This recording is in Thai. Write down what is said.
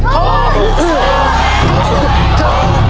โทษ